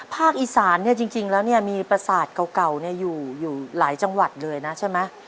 อีสานเนี่ยจริงแล้วมีประสาทเก่าอยู่หลายจังหวัดเลยนะใช่ไหม